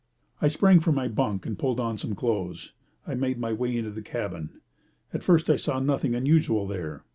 I sprang from my bunk, and, pulling on some clothes, I made my way into the cabin. At first I saw nothing unusual there.